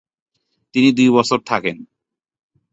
তিনি দুই বছর থাকেন।